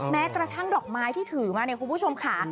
แม้กระทั่งดอกไม้ที่ถือมาเนี่ยคุณผู้ชมค่ะ